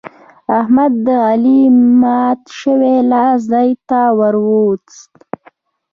احمد د علي مات شوی لاس ځای ته ور ووست.